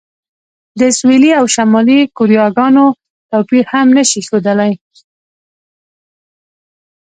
د سویلي او شمالي کوریاګانو توپیر هم نه شي ښودلی.